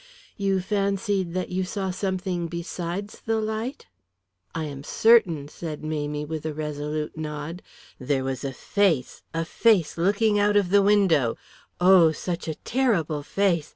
"You fancied that you saw something besides the light?" "I am certain," said Mamie with a resolute nod. "There was a face, a face looking out of the window. Oh, such a terrible face!